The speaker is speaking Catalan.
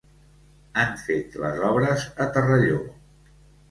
Han fet les obres a terrelló.